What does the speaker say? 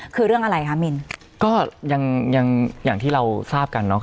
คือเรื่องอะไรคะมินก็ยังยังอย่างที่เราทราบกันเนาะ